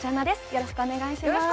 よろしくお願いします